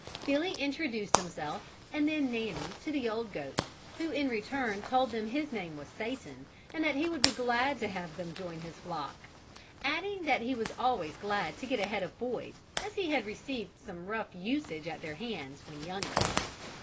Billy introduced himself and then Nanny to the old goat who in return told them his name was Satan and that he would be glad to have them join his flock, adding that he was always glad to get ahead of boys, as he had received some rough usage at their hands when younger.